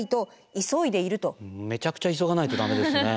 めちゃくちゃ急がないと駄目ですね。